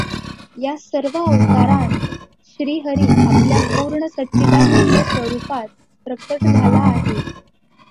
या सर्व अवतारांत श्री हरी आपल्या पूर्ण सच्चिदानंद स्वरुपांत प्रकट झाला आहे.